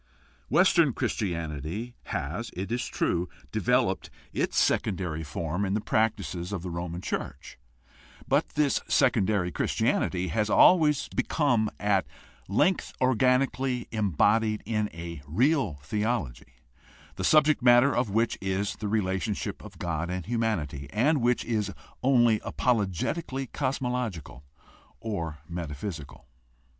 Western Christianity has, it is true, developed its secondary form in THE HISTORICAL STUDY OF RELIGION 49 the practices of the Roman church; but this secondary Chris tianity has always become at length organically embodied in a real theology, the subject matter of which is the relationship of God and humanity, and which is only apologetically cos mological or metaphysical.